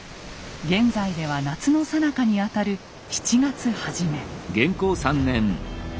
現在では夏のさなかにあたる７月初め。